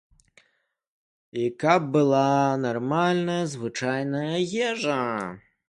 І каб была нармальная звычайная ежа.